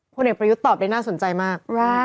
ผลเอกประยุทธ์ตอบได้น่าสนใจมาก